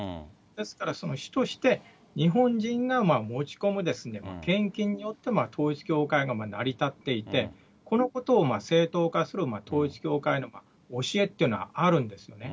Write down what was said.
ですから、主として日本人が持ち込む献金によって統一教会が成り立っていて、このことを正当化する統一教会の教えというのはあるんですよね。